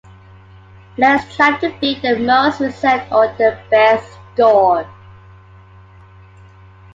Players try to beat their most recent or their best score.